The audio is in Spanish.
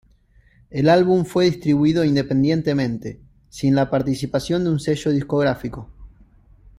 El álbum fue distribuido independientemente, sin la participación de un sello discográfico.